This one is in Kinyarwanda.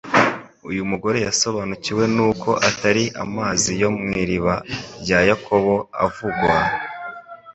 Uyu mugore yasobanukiwe n’uko atari amazi yo mu iriba rya Yakobo avugwa;